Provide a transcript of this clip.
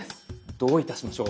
どういたしましょう？